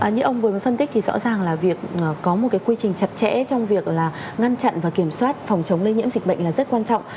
như ông vừa mới phân tích thì rõ ràng là việc có một cái quy trình chặt chẽ trong việc là ngăn chặn và kiểm soát phòng chống lây nhiễm dịch bệnh là rất quan trọng